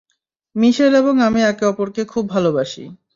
মিশেল এবং আমি একে অপরকে খুব ভালোবাসি।